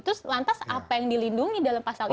terus lantas apa yang dilindungi dalam pasal ini